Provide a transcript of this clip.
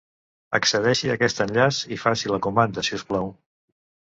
Accedeixi a aquest enllaç i faci la comanda si us plau.